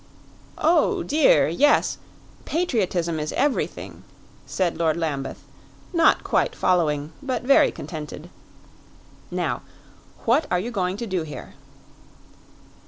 "Oh, dear, yes, patriotism is everything," said Lord Lambeth, not quite following, but very contented. "Now, what are you going to do here?"